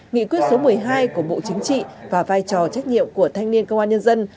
nghị quyết số một mươi hai của bộ chính trị và vai trò trách nhiệm của thanh niên công an nhân dân